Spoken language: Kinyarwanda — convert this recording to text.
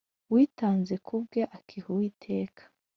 witanze ku bwe akiha Uwiteka